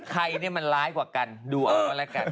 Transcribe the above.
ใครเนี่ยมันร้ายกว่ากันดูเอาก็แล้วกัน